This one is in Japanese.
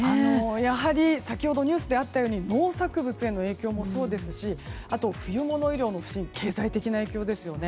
やはり先ほどニュースにあったように農作物への影響もそうですしあと冬物衣料の不振経済的な影響ですよね